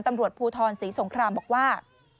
ตำรวจภูทรศรีสงครามบอกว่า